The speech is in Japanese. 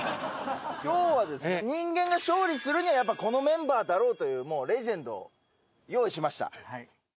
今日は人間が勝利するにはやっぱこのメンバーだろうというレジェンドを用意しました。